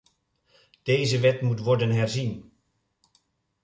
Deze wet moet worden herzien.